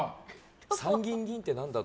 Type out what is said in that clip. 参議院議員って何だ？